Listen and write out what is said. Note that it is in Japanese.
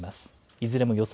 いずれも予想